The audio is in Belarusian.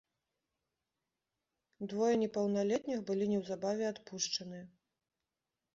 Двое непаўналетніх былі неўзабаве адпушчаныя.